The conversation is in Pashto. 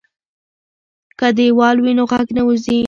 که دیوال وي نو غږ نه وځي.